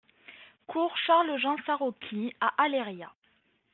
Cours Charles Jean Sarocchi à Aléria